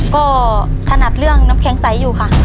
ก็ถนัดเรื่องน้ำแข็งใสอยู่ค่ะ